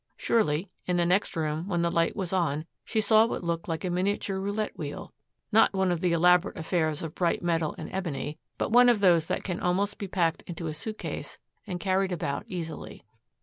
Surely, in the next room, when the light was on, she saw what looked like a miniature roulette wheel, not one of the elaborate affairs of bright metal and ebony, but one of those that can almost be packed into a suitcase and carried about easily.